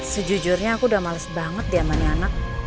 sejujurnya aku udah males banget diamani anak